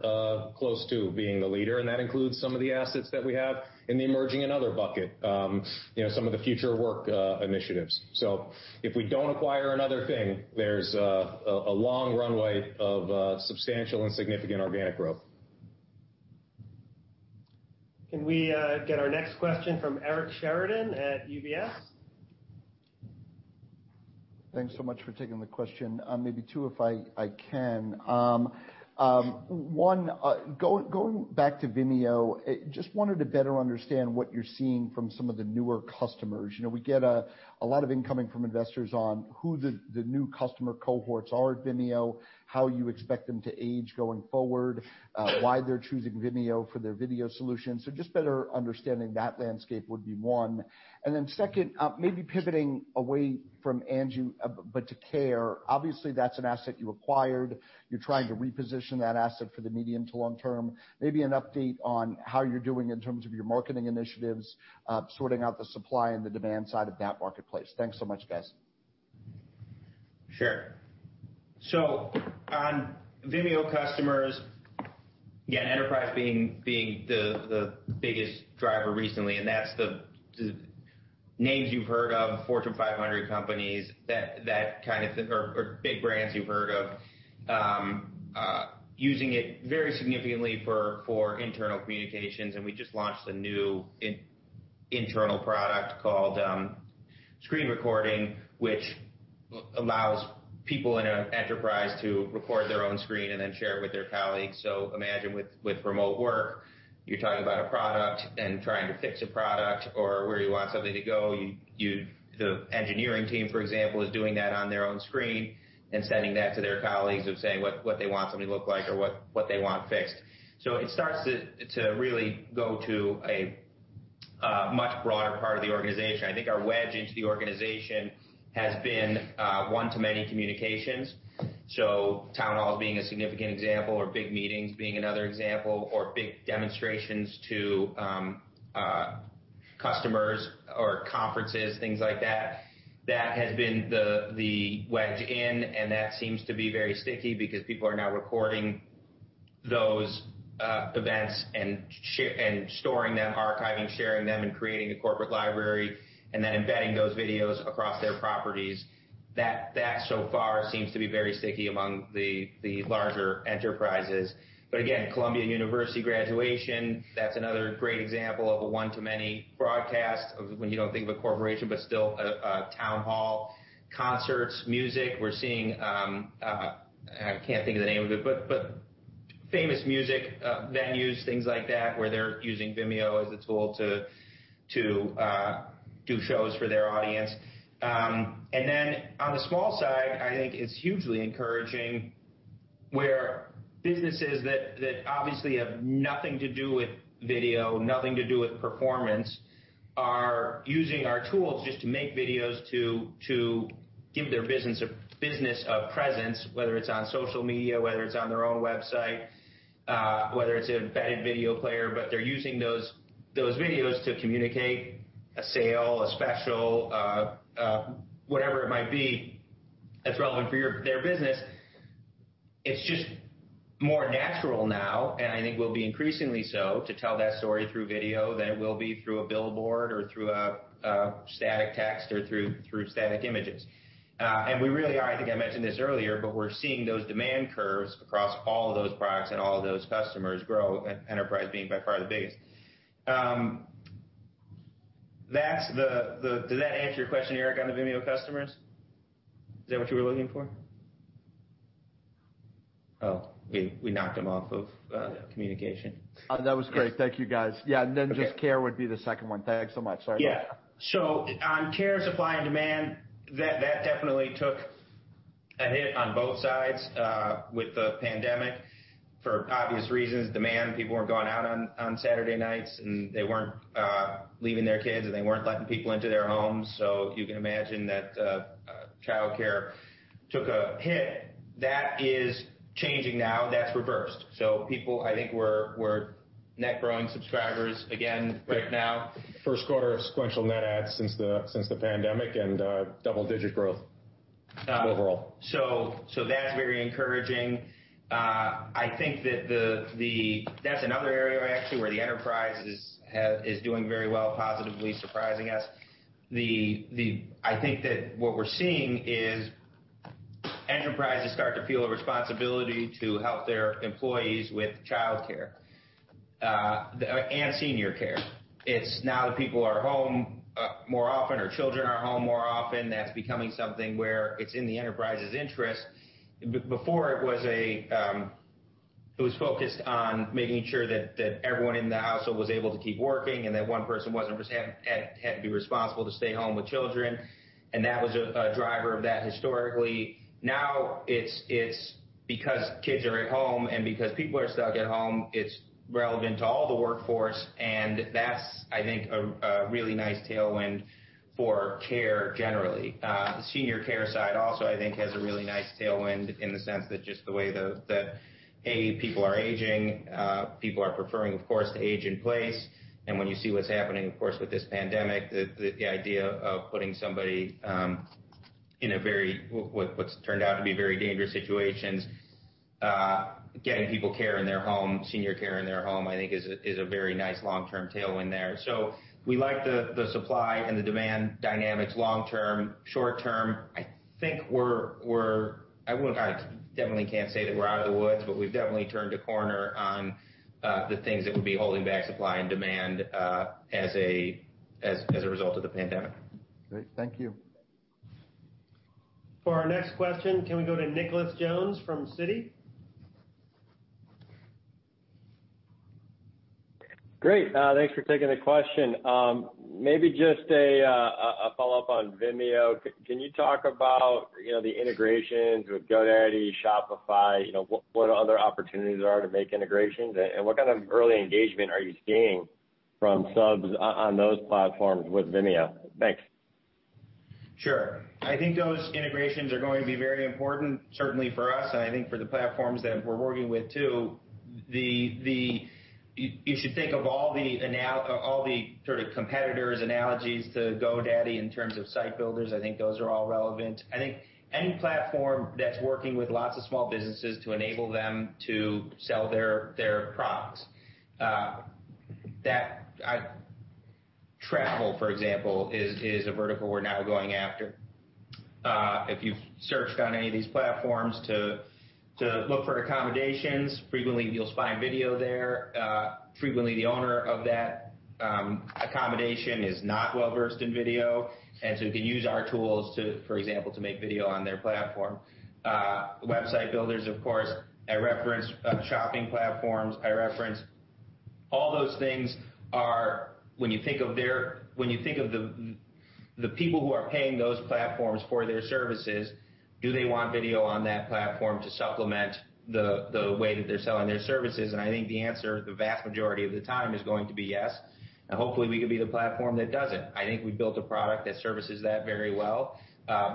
close to being the leader, and that includes some of the assets that we have in the emerging and other bucket. Some of the future work initiatives. If we don't acquire another thing, there's a long runway of substantial and significant organic growth. Can we get our next question from Eric Sheridan at UBS? Thanks so much for taking the question. Maybe two, if I can. One, going back to Vimeo, just wanted to better understand what you're seeing from some of the newer customers. We get a lot of incoming from investors on who the new customer cohorts are at Vimeo, how you expect them to age going forward, why they're choosing Vimeo for their video solutions. Just better understanding that landscape would be one. Second, maybe pivoting away from Angi, but to Care.com, obviously, that's an asset you acquired. You're trying to reposition that asset for the medium to long-term. Maybe an update on how you're doing in terms of your marketing initiatives, sorting out the supply and the demand side of that marketplace. Thanks so much, guys. Sure. On Vimeo customers, again, enterprise being the biggest driver recently, that's the names you've heard of, Fortune 500 companies, that kind of thing, or big brands you've heard of, using it very significantly for internal communications. We just launched a new internal product called Screen Recording, which allows people in an enterprise to record their own screen and then share it with their colleagues. Imagine with remote work, you're talking about a product and trying to fix a product or where you want something to go. The engineering team, for example, is doing that on their own screen and sending that to their colleagues of saying what they want something to look like or what they want fixed. It starts to really go to a much broader part of the organization. I think our wedge into the organization has been one-to-many communications. Town halls being a significant example or big meetings being another example or big demonstrations to customers or conferences, things like that. That has been the wedge in, and that seems to be very sticky because people are now recording those events and storing them, archiving, sharing them, and creating a corporate library, and then embedding those videos across their properties. That so far seems to be very sticky among the larger enterprises. Again, Columbia University graduation, that's another great example of a one-to-many broadcast of when you don't think of a corporation, but still a town hall. Concerts, music. We're seeing, I can't think of the name of it, but famous music venues, things like that, where they're using Vimeo as a tool to do shows for their audience. On the small side, I think it's hugely encouraging where businesses that obviously have nothing to do with video, nothing to do with performance, are using our tools just to make videos to give their business a presence, whether it's on social media, whether it's on their own website. Whether it's an embedded video player, but they're using those videos to communicate a sale, a special, whatever it might be that's relevant for their business. It's just more natural now, and I think will be increasingly so, to tell that story through video than it will be through a billboard or through a static text or through static images. We really are, I think I mentioned this earlier, but we're seeing those demand curves across all of those products and all of those customers grow, enterprise being by far the biggest. Did that answer your question, Eric, on the Vimeo customers? Is that what you were looking for? Oh, we knocked him off of communication. That was great. Thank you guys. Yeah. Just Care would be the second one. Thanks so much. Sorry about that. Yeah. On care supply and demand, that definitely took a hit on both sides with the pandemic for obvious reasons. Demand, people weren't going out on Saturday nights, and they weren't leaving their kids, and they weren't letting people into their homes. You can imagine that childcare took a hit. That is changing now. That's reversed. People, I think we're net growing subscribers again right now. First quarter of sequential net add since the pandemic and double-digit growth overall. That's very encouraging. I think that's another area actually where the enterprise is doing very well, positively surprising us. I think that what we're seeing is enterprises start to feel a responsibility to help their employees with childcare and senior care. It's now that people are home more often or children are home more often, that's becoming something where it's in the enterprise's interest. Before it was focused on making sure that everyone in the household was able to keep working, and that one person wasn't just had to be responsible to stay home with children. That was a driver of that historically. Now it's because kids are at home and because people are stuck at home, it's relevant to all the workforce. That's, I think, a really nice tailwind for care generally. The senior care side also, I think, has a really nice tailwind in the sense that just the way that, A, people are aging, people are preferring, of course, to age in place. When you see what's happening, of course, with this pandemic, the idea of putting somebody in a very, what's turned out to be very dangerous situations. Getting people care in their home, senior care in their home, I think, is a very nice long-term tailwind there. We like the supply and the demand dynamics long-term. Short-term, I think I definitely can't say that we're out of the woods, but we've definitely turned a corner on the things that would be holding back supply and demand as a result of the pandemic. Great. Thank you. For our next question, can we go to Nicholas Jones from Citi? Great. Thanks for taking the question. Maybe just a follow-up on Vimeo. Can you talk about the integrations with GoDaddy, Shopify, what other opportunities there are to make integrations? What kind of early engagement are you seeing from subs on those platforms with Vimeo? Thanks. Sure. I think those integrations are going to be very important, certainly for us, and I think for the platforms that we're working with too. You should think of all the sort of competitors, analogies to GoDaddy in terms of site builders, I think those are all relevant. I think any platform that's working with lots of small businesses to enable them to sell their products. Travel, for example, is a vertical we're now going after. If you've searched on any of these platforms to look for accommodations, frequently you'll find video there. Frequently the owner of that accommodation is not well-versed in video, and so we can use our tools, for example, to make video on their platform. Website builders, of course, I reference shopping platforms, I reference all those things are when you think of the people who are paying those platforms for their services, do they want video on that platform to supplement the way that they're selling their services? I think the answer the vast majority of the time is going to be yes. Hopefully we can be the platform that does it. I think we built a product that services that very well,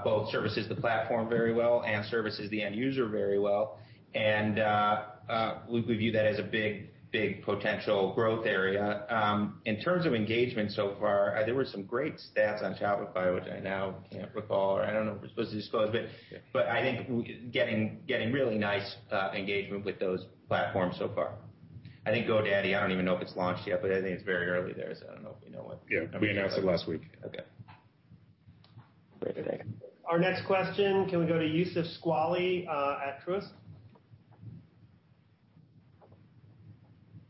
both services the platform very well and services the end user very well. We view that as a big potential growth area. In terms of engagement so far, there were some great stats on Shopify, which I now can't recall, or I don't know if we're supposed to disclose, but I think getting really nice engagement with those platforms so far. I think GoDaddy, I don't even know if it's launched yet, but I think it's very early there, so I don't know if we know. Yeah. We announced it last week. Okay. Our next question, can we go to Youssef Squali at Truist?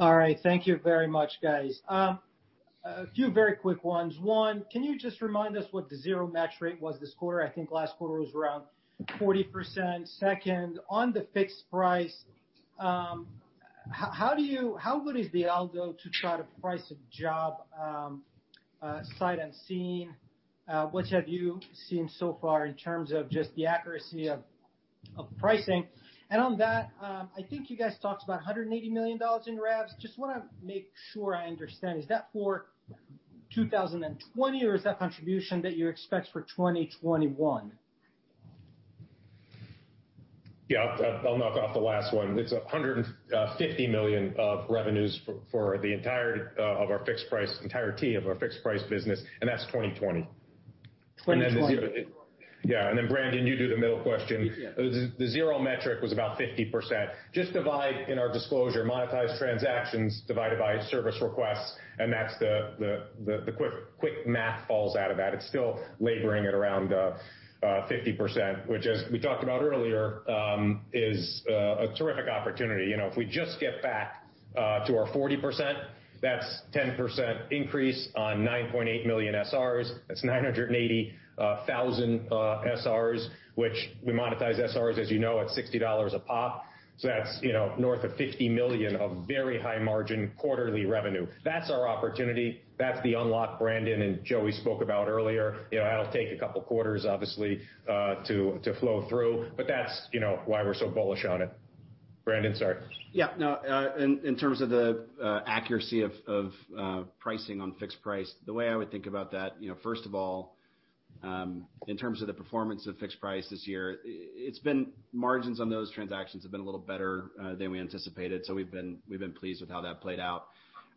All right. Thank you very much, guys. A few very quick ones. One, can you just remind us what the zero match rate was this quarter? I think last quarter was around 40%. Second, on the Fixed Price, how good is the algo to try to price a job sight unseen? What have you seen so far in terms of just the accuracy of pricing? On that, I think you guys talked about $180 million in revs. Just want to make sure I understand. Is that for 2020 or is that contribution that you expect for 2021? Yeah. I'll knock off the last one. It's $150 million of revenues for the entirety of our Fixed Price business. That's 2020. 2020. Yeah. Then, Brandon, you do the middle question. The zero matwas about 50%. Just divide in our disclosure, monetized transactions divided by service requests, and the quick math falls out of that. It's still laboring at around 50%, which, as we talked about earlier, is a terrific opportunity. If we just get back to our 40%, that's 10% increase on 9.8 million SRs. That's 980,000 SRs, which we monetize SRs, as you know, at $60 a pop. That's north of $50 million of very high margin quarterly revenue. That's our opportunity. That's the unlock Brandon and Joey spoke about earlier. That'll take a couple quarters, obviously, to flow through, that's why we're so bullish on it. Brandon, sorry. Yeah, no. In terms of the accuracy of pricing on Fixed Price, the way I would think about that, first of all, in terms of the performance of Fixed Price this year, margins on those transactions have been a little better than we anticipated. We've been pleased with how that played out.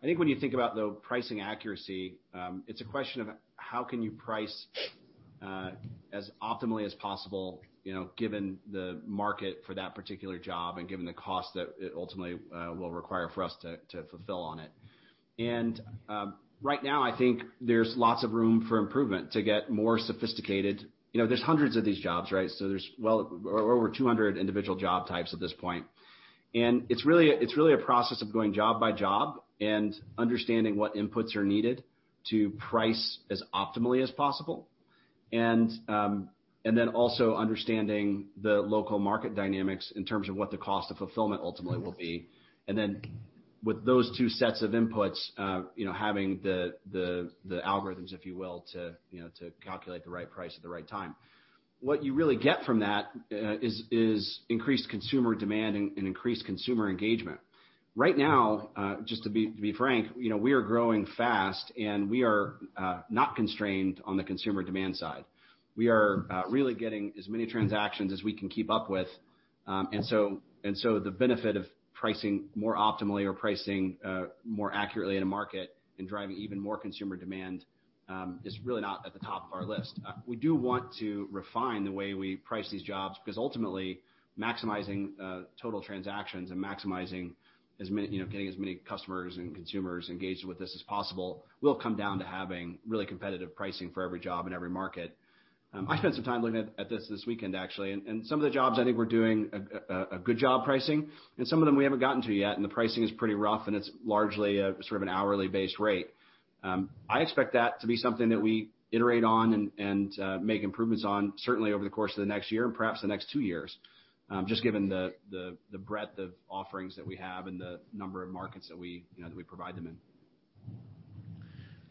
I think when you think about, though, pricing accuracy, it's a question of how can you price as optimally as possible, given the market for that particular job and given the cost that it ultimately will require for us to fulfill on it. Right now, I think there's lots of room for improvement to get more sophisticated. There's hundreds of these jobs. There's well over 200 individual job types at this point, and it's really a process of going job by job and understanding what inputs are needed to price as optimally as possible, and then also understanding the local market dynamics in terms of what the cost of fulfillment ultimately will be. Then with those two sets of inputs, having the algorithms, if you will, to calculate the right price at the right time, what you really get from that is increased consumer demand and increased consumer engagement. Right now, just to be frank, we are growing fast, and we are not constrained on the consumer demand side. We are really getting as many transactions as we can keep up with. The benefit of pricing more optimally or pricing more accurately in a market and driving even more consumer demand is really not at the top of our list. We do want to refine the way we price these jobs, because ultimately, maximizing total transactions and maximizing getting as many customers and consumers engaged with this as possible will come down to having really competitive pricing for every job in every market. I spent some time looking at this this weekend, actually. Some of the jobs, I think we're doing a good job pricing. Some of them we haven't gotten to yet, and the pricing is pretty rough, and it's largely an hourly-based rate. I expect that to be something that we iterate on and make improvements on, certainly over the course of the next year and perhaps the next two years, just given the breadth of offerings that we have and the number of markets that we provide them in.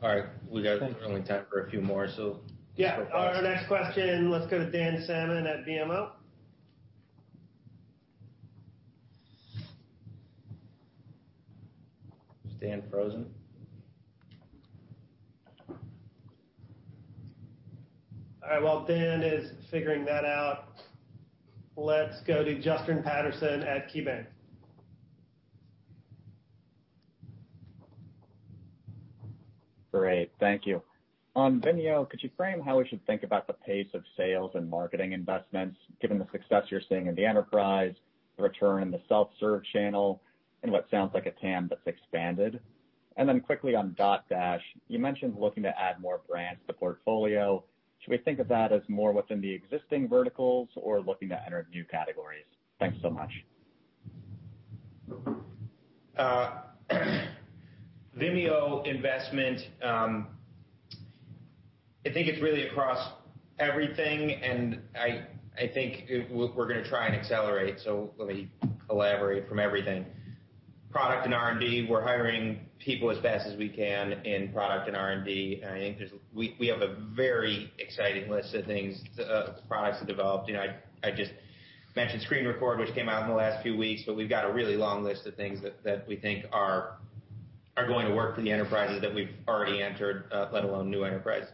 All right. We've got only time for a few more, so- Yeah. Our next question, let's go to Dan Salmon at BMO. Is Dan frozen? All right. While Dan is figuring that out, let's go to Justin Patterson at KeyBanc. Great. Thank you. On Vimeo, could you frame how we should think about the pace of sales and marketing investments, given the success you're seeing in the enterprise, the return in the self-serve channel, and what sounds like a TAM that's expanded? Quickly on Dotdash, you mentioned looking to add more brands to the portfolio. Should we think of that as more within the existing verticals or looking to enter new categories? Thanks so much. Vimeo investment, I think it's really across everything, and I think we're going to try and accelerate. Let me elaborate from everything. Product and R&D, we're hiring people as fast as we can in product and R&D. We have a very exciting list of products we developed. I just mentioned Screen Record, which came out in the last few weeks, but we've got a really long list of things that we think are going to work for the enterprises that we've already entered, let alone new enterprises.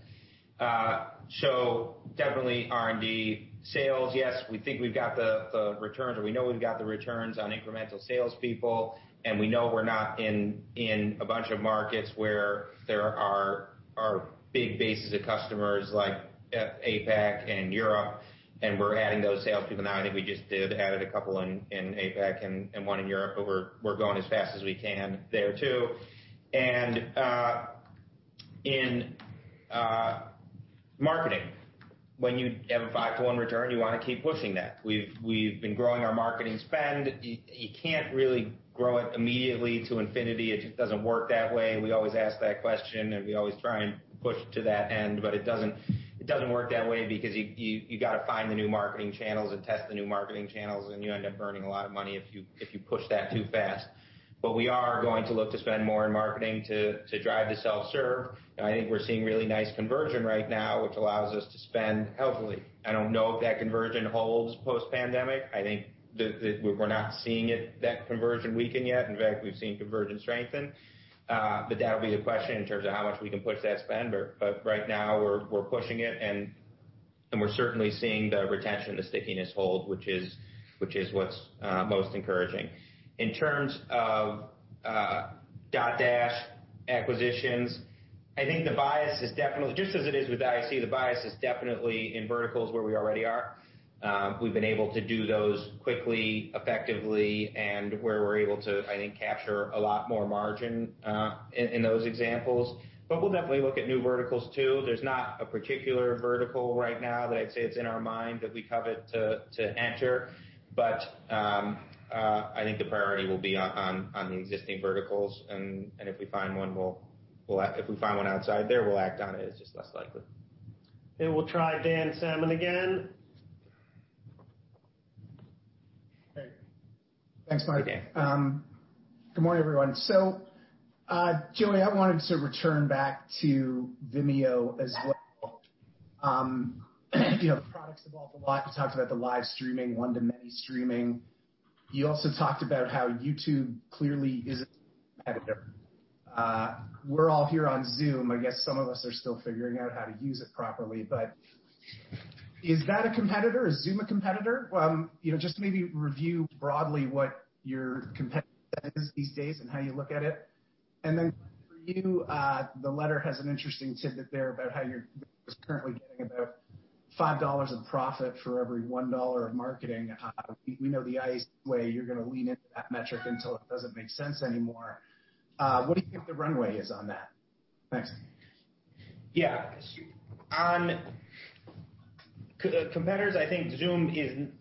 Definitely R&D. Sales, yes, we think we've got the returns, or we know we've got the returns on incremental salespeople, and we know we're not in a bunch of markets where there are big bases of customers like APAC and Europe, and we're adding those salespeople now. I think we just did, added a couple in APAC and one in Europe, but we're going as fast as we can there, too. In marketing, when you have a five to one return, you want to keep pushing that. We've been growing our marketing spend. You can't really grow it immediately to infinity. It just doesn't work that way. We always ask that question, and we always try and push to that end, but it doesn't work that way because you got to find the new marketing channels and test the new marketing channels, and you end up burning a lot of money if you push that too fast. We are going to look to spend more in marketing to drive the self-serve, and I think we're seeing really nice conversion right now, which allows us to spend healthily. I don't know if that conversion holds post-pandemic. I think that we're not seeing that conversion weaken yet. In fact, we've seen conversion strengthen. That'll be the question in terms of how much we can push that spend. We're certainly seeing the retention, the stickiness hold, which is what's most encouraging. In terms of Dotdash acquisitions, I think the bias is definitely, just as it is with IAC, the bias is definitely in verticals where we already are. We've been able to do those quickly, effectively, and where we're able to, I think, capture a lot more margin in those examples. We'll definitely look at new verticals, too. There's not a particular vertical right now that I'd say it's in our mind that we covet to enter. I think the priority will be on the existing verticals, and if we find one outside there, we'll act on it. It's just less likely. Okay. We'll try Dan Salmon again. Hey. Thanks, Mark. Hey, Dan. Good morning, everyone. Joey, I wanted to return back to Vimeo as well. Products evolve a lot. You talked about the live streaming, one-to-many streaming. You also talked about how YouTube clearly is a competitor. We're all here on Zoom. I guess some of us are still figuring out how to use it properly, but is that a competitor? Is Zoom a competitor? Just maybe review broadly what your competitor set is these days and how you look at it. For you, the letter has an interesting tidbit there about how your business is currently getting about $5 of profit for every $1 of marketing. We know the IAC way, you're going to lean into that metric until it doesn't make sense anymore. What do you think the runway is on that? Thanks. Yeah. On competitors, I think Zoom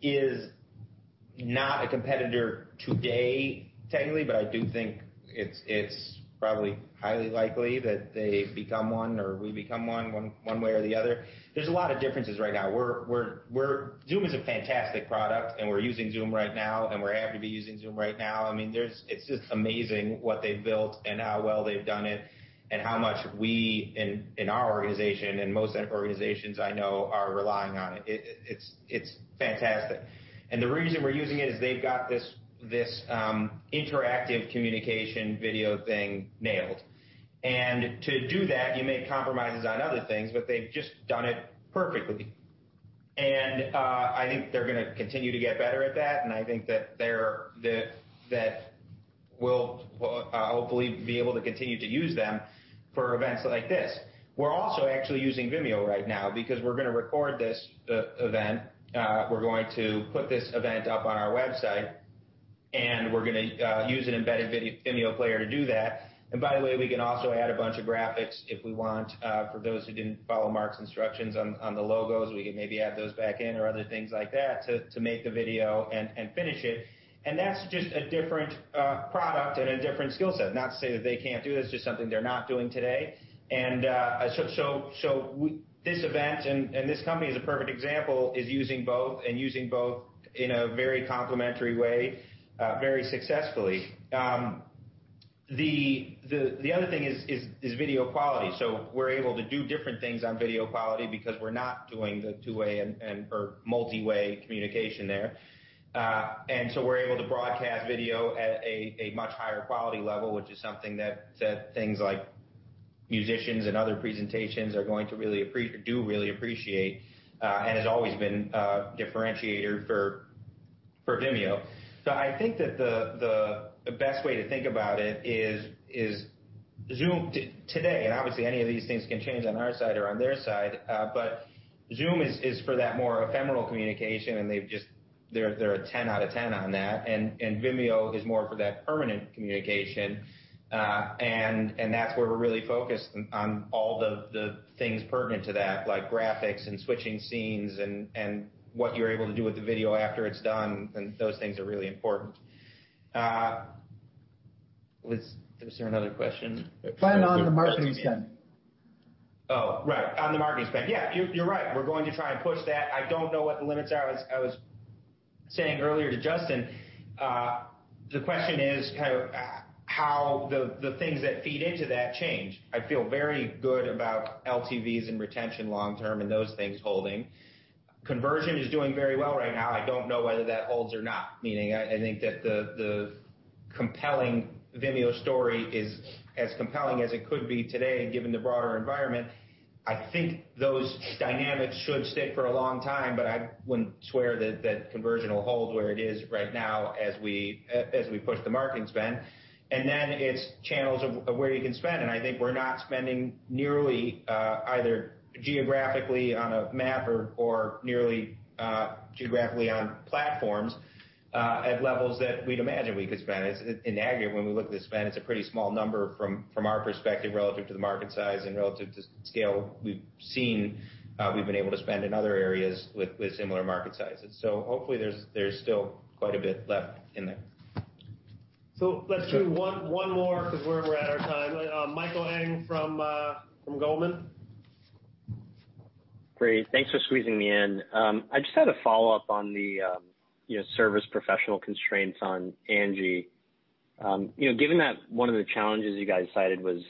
is not a competitor today, technically, but I do think it's probably highly likely that they become one or we become one way or the other. There's a lot of differences right now. Zoom is a fantastic product, and we're using Zoom right now, and we're happy to be using Zoom right now. It's just amazing what they've built and how well they've done it and how much we in our organization and most organizations I know are relying on it. It's fantastic. The reason we're using it is they've got this interactive communication video thing nailed. To do that, you make compromises on other things, but they've just done it perfectly. I think they're going to continue to get better at that. I think that we'll hopefully be able to continue to use them for events like this. We're also actually using Vimeo right now because we're going to record this event. We're going to put this event up on our website, we're going to use an embedded Vimeo player to do that. By the way, we can also add a bunch of graphics if we want. For those who didn't follow Mark's instructions on the logos, we can maybe add those back in or other things like that to make the video and finish it. That's just a different product and a different skill set. Not to say that they can't do this, just something they're not doing today. This event and this company is a perfect example, is using both and using both in a very complementary way very successfully. The other thing is video quality. We're able to do different things on video quality because we're not doing the two-way or multi-way communication there. We're able to broadcast video at a much higher quality level, which is something that things like musicians and other presentations are going to really appreciate or do really appreciate and has always been a differentiator for Vimeo. I think that the best way to think about it is Zoom today, obviously any of these things can change on our side or on their side, but Zoom is for that more ephemeral communication, and they're a 10 out of 10 on that. Vimeo is more for that permanent communication. That's where we're really focused on all the things pertinent to that, like graphics and switching scenes and what you're able to do with the video after it's done. Those things are really important. Was there another question? Plan on the marketing spend. Oh, right. On the marketing spend. Yeah, you're right. We're going to try and push that. I don't know what the limits are. As I was saying earlier to Justin, the question is how the things that feed into that change. I feel very good about LTVs and retention long-term and those things holding. Conversion is doing very well right now. I don't know whether that holds or not, meaning I think that the compelling Vimeo story is as compelling as it could be today, given the broader environment. I think those dynamics should stick for a long time, but I wouldn't swear that conversion will hold where it is right now as we push the marketing spend. It's channels of where you can spend. I think we're not spending nearly, either geographically on a map or nearly geographically on platforms, at levels that we'd imagine we could spend. In aggregate, when we look at the spend, it's a pretty small number from our perspective, relative to the market size and relative to scale we've seen we've been able to spend in other areas with similar market sizes. Hopefully there's still quite a bit left in there. Let's do one more because we're at our time. Michael Ng from Goldman. Great. Thanks for squeezing me in. I just had a follow-up on the service professional constraints on Angi. Given that one of the challenges you guys cited was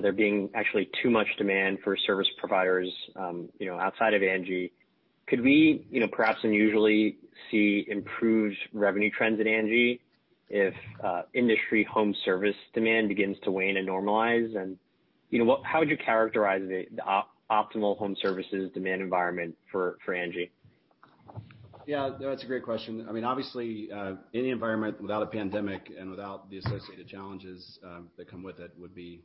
there being actually too much demand for service providers outside of Angi. Could we perhaps unusually see improved revenue trends at Angi if industry home service demand begins to wane and normalize? How would you characterize the optimal home services demand environment for Angi? Yeah. No, that's a great question. Obviously, any environment without a pandemic and without the associated challenges that come with it would be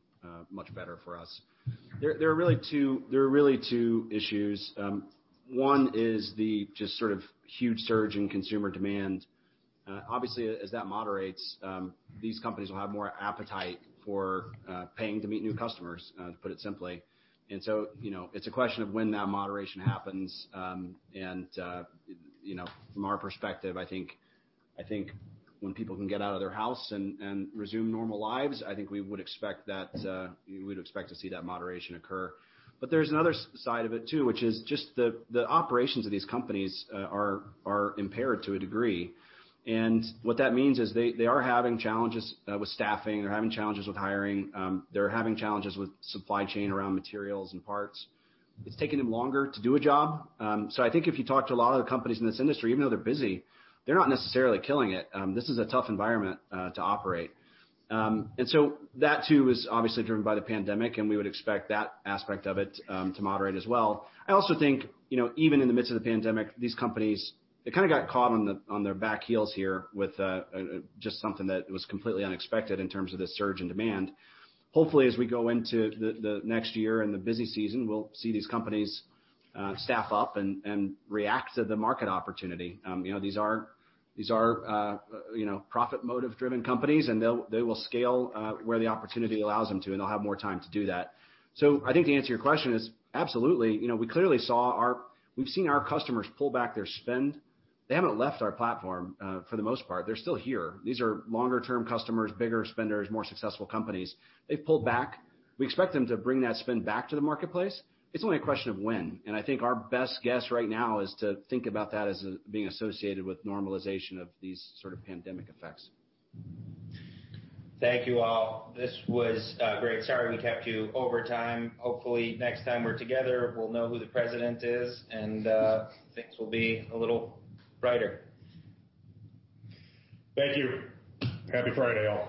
much better for us. There are really two issues. One is the just sort of huge surge in consumer demand. Obviously, as that moderates, these companies will have more appetite for paying to meet new customers, to put it simply. It's a question of when that moderation happens. From our perspective, I think when people can get out of their house and resume normal lives, I think we would expect to see that moderation occur. There's another side of it too, which is just the operations of these companies are impaired to a degree. What that means is they are having challenges with staffing. They're having challenges with hiring. They're having challenges with supply chain around materials and parts. It's taking them longer to do a job. I think if you talk to a lot of the companies in this industry, even though they're busy, they're not necessarily killing it. This is a tough environment to operate. That, too, is obviously driven by the pandemic, and we would expect that aspect of it to moderate as well. I also think, even in the midst of the pandemic, these companies, they kind of got caught on their back heels here with just something that was completely unexpected in terms of the surge in demand. Hopefully, as we go into the next year and the busy season, we'll see these companies staff up and react to the market opportunity. These are profit-motive-driven companies, and they will scale where the opportunity allows them to, and they'll have more time to do that. I think the answer to your question is absolutely. We've seen our customers pull back their spend. They haven't left our platform, for the most part. They're still here. These are longer-term customers, bigger spenders, more successful companies. They've pulled back. We expect them to bring that spend back to the marketplace. It's only a question of when, I think our best guess right now is to think about that as being associated with normalization of these sort of pandemic effects. Thank you, all. This was great. Sorry we kept you overtime. Hopefully, next time we're together, we'll know who the president is, and things will be a little brighter. Thank you. Happy Friday, all.